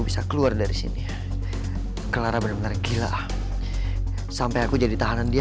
sampai jumpa di video selanjutnya